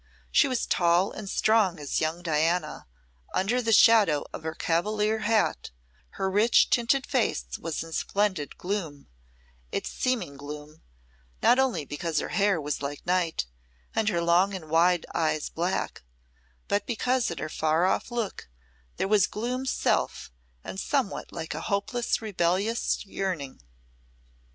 She was tall and strong as young Diana; under the shadow of her Cavalier hat, her rich tinted face was in splendid gloom, it seeming gloom, not only because her hair was like night, and her long and wide eyes black, but because in her far off look there was gloom's self and somewhat like a hopeless rebellious yearning.